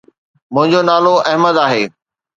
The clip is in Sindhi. منهنجو نالو احمد آھي.